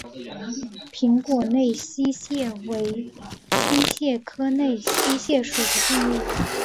平果内溪蟹为溪蟹科内溪蟹属的动物。